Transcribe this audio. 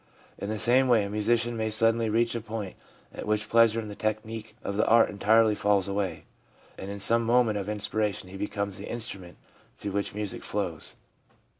In the same way, a musician may suddenly reach a point at which pleasure in the technique of the art entirely falls away, and in some moment of inspiration he becomes the instrument through which music flows.